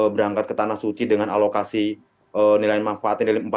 berangkat ke tanah suci dengan alokasi nilai manfaatnya